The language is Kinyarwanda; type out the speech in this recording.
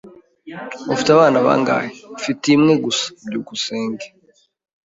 "Ufite abana bangahe?" "Mfite imwe gusa." byukusenge